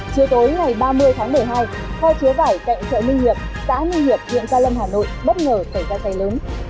chưa tối ngày ba mươi tháng bảy mươi hai theo chứa vải cạnh chợ ninh hiệp xã ninh hiệp huyện ca lâm hà nội bất ngờ tẩy ra cháy lớn